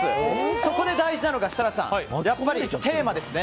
そこで大事なのが設楽さん、やっぱりテーマですね。